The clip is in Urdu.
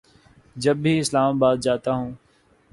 جب بھی اسلام آباد جاتا ہوں